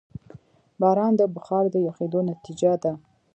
باران د بخار د یخېدو نتیجه ده.